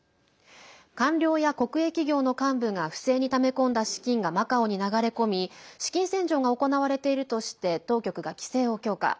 官僚や国営企業の幹部が不正にため込んだ資金がマカオに流れ込み資金洗浄が行われているとして当局が規制を強化。